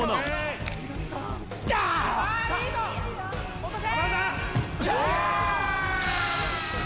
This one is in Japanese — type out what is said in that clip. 落とせ！